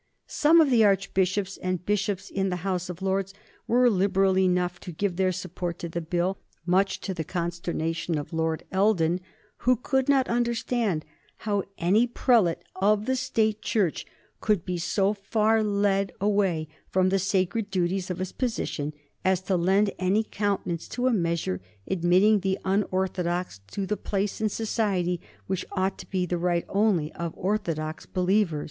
Some of the archbishops and bishops in the House of Lords were liberal enough to give their support to the Bill, much to the consternation of Lord Eldon, who could not understand how any prelate of the State Church could be so far led away from the sacred duties of his position as to lend any countenance to a measure admitting the unorthodox to the place in society which ought to be the right only of orthodox believers.